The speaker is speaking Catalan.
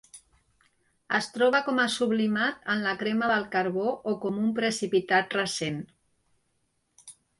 Es troba com a sublimat en la crema del carbó o com un precipitat recent.